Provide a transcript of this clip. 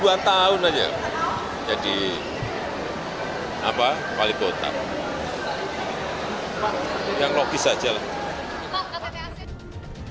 yang logis aja lah